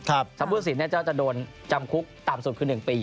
สำหรับผู้ทศิลป์จะโดนจำคุกต่ำสุดคือ๑ปี